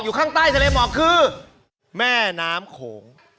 ข้างใต้ทะเลหมอกคือแม่น้ำโขง